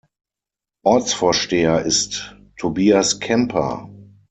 Ortsvorsteher ist Tobias Kemper.